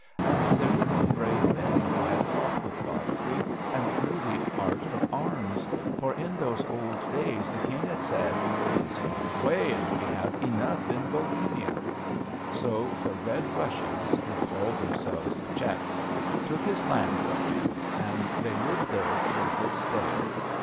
And there were no brave men who had fought with Godfrey, and knew the art of arms, for in those old days the King had said, "It is far away; and we have 'enough' in Bohemia." So the Red Russians, who call themselves the Szechs, took his land from him; and they live there till this day.